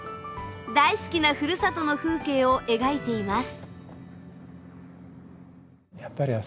大好きなふるさとの風景を描いています。